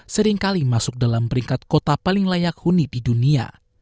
seringkali masuk dalam peringkat kota paling layak huni di dunia